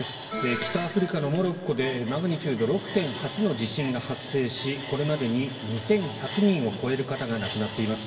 北アフリカのモロッコでマグニチュード６．８の地震が発生しこれまでに２１００人を超える方が亡くなっています。